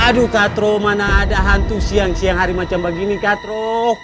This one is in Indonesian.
aduh katro mana ada hantu siang siang hari macam begini katro